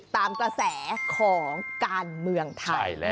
ตามกระแสของการเมืองไทย